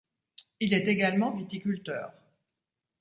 Il est également viticulteur.